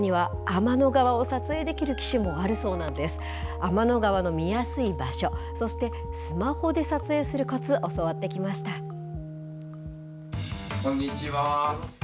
天の川の見やすい場所、そしてスマホで撮影するこつ、教わってきこんにちは。